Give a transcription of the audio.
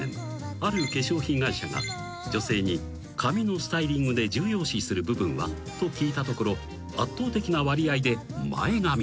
ある化粧品会社が女性に「髪のスタイリングで重要視する部分は？」と聞いたところ圧倒的な割合で前髪。